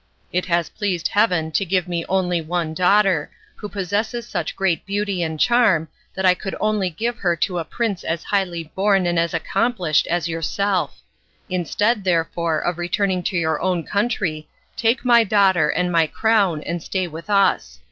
It has pleased Heaven to give me only one daughter, who possesses such great beauty and charm that I could only give her to a prince as highly born and as accomplished as yourself. Instead, therefore, of returning to your own country, take my daughter and my crown and stay with us.